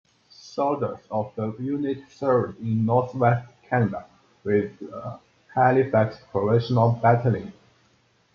Soldiers of the unit served in North West Canada with the Halifax Provisional Battalion.